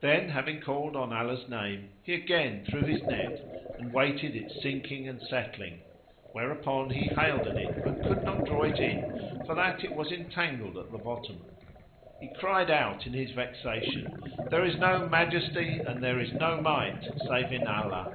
Then, having called on Allah's name,[FN#64] he again threw his net and waited its sinking and settling; whereupon he haled at it but could not draw it in for that it was entangled at the bottom. He cried out in his vexation "There is no Majesty and there is no Might save in Allah!"